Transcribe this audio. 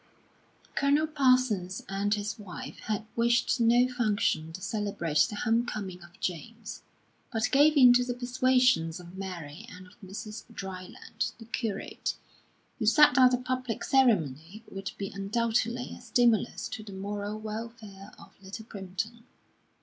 V Colonel Parsons and his wife had wished no function to celebrate the home coming of James; but gave in to the persuasions of Mary and of Mr. Dryland, the curate, who said that a public ceremony would be undoubtedly a stimulus to the moral welfare of Little Primpton.